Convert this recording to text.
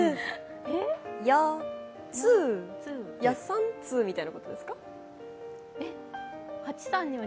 やつーさんつーみたいなことですか？